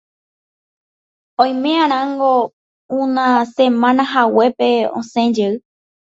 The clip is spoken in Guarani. Oimeʼarãngo una semanahaguépe osẽjey.